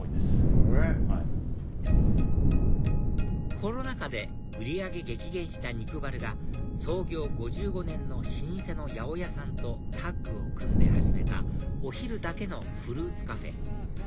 コロナ禍で売り上げ激減した肉バルが創業５５年の老舗の八百屋さんとタッグを組んで始めたお昼だけのフルーツカフェ